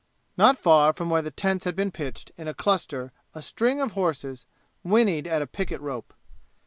Not far from where the tents had been pitched in a cluster a string of horses winnied at a picket rope.